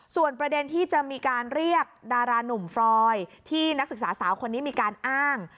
ส่วนประเด็นที่จะมีการเรียกดารานุ่มฟรอยที่นักศึกษาสาวคนนี้มีการอ้าง